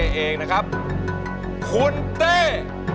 ร้องได้ร้องได้